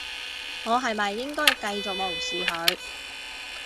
我係咪應該繼續無視佢？